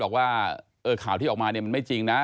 บอกว่าข่าวที่ออกมาเนี่ยมันไม่จริงนะ